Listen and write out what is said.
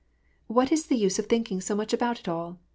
'' What is the use of thinking so much about it all